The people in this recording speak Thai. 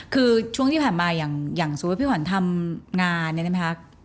คือช่วงที่ผ่านมาอย่างสวัสดีพี่ขวัญทำงานเนี่ยนะคะ